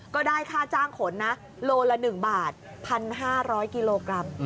ก็ได้ค่าจ้างขนนะโลละ๑บาท๑๕๐๐กิโลกรัม